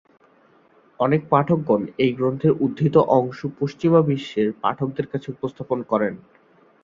অনেক পণ্ডিতগণ এই গ্রন্থের উদ্ধৃত অংশ পশ্চিমা বিশ্বের পাঠকদের কাছে উপস্থাপন করেন।